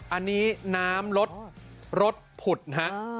อันนี้น้ำลดรถผุดฮะ